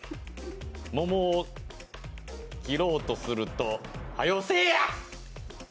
桃を切ろうとするとはよせいや！